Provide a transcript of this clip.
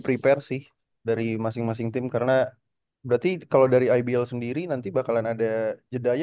prepare sih dari masing masing tim karena berarti kalau dari ibl sendiri nanti bakalan ada jedanya